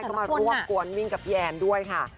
ก็มาร่วมกวนวิ่งกับพี่แอนด้วยค่ะ